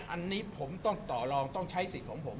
อันนี้ผมต้องต่อลองต้องใช้สิทธิ์ของผม